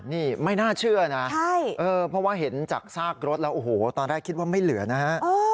นี่ไม่น่าเชื่อนะเพราะว่าเห็นจากซากรถแล้วโอ้โหตอนแรกคิดว่าไม่เหลือนะฮะ